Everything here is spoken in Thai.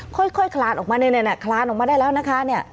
คลานออกมาเนี่ยคลานออกมาได้แล้วนะคะเนี่ย